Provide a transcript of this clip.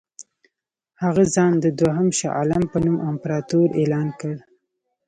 هغه ځان د دوهم شاه عالم په نوم امپراطور اعلان کړ.